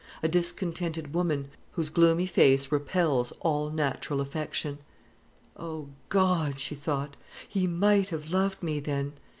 . a discontented woman, whose gloomy face repels all natural affection." "O God!" she thought, "he might have loved me, then!